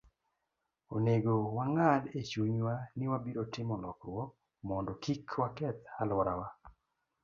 Onego wang'ad e chunywa ni wabiro timo lokruok mondo kik waketh alworawa.